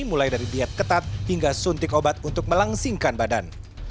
mulai dari diet ketat hingga suntik obat untuk melangsingkan badan